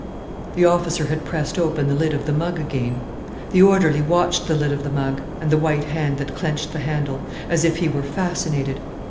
The officer had pressed open the lid of the mug again. The orderly watched the lid of the mug, and the white hand that clenched the handle, as if he were fascinated.